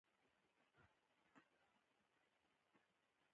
دستار خو غير له ملا امامه د بل چا پر سر نه ليدل کېده.